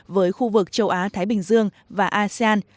với khu vực châu á thái bình dương và asean